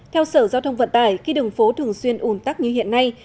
theo sở giao thông vận tải khi đường phố thường xuyên ủn tắc như hiện nay